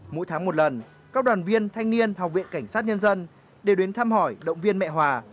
mỗi tháng một lần các đoàn viên thanh niên học viện cảnh sát nhân dân đều đến thăm hỏi động viên mẹ hòa